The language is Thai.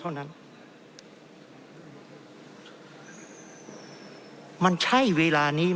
เพราะเรามี๕ชั่วโมงครับท่านนึง